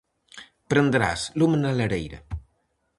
Prenderás lume na lareira.